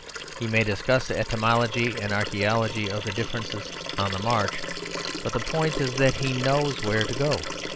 He may discuss the etymology and archæology of the difference on the march; but the point is that he knows where to go.